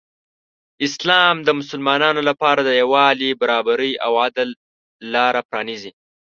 اسلام د مسلمانانو لپاره د یو والي، برابري او عدل لاره پرانیزي.